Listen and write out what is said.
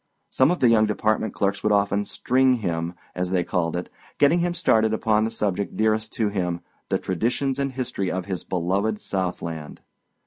Some of the young department clerks would often "string him," as they called it, getting him started upon the subject dearest to him—the traditions and history of his beloved Southland.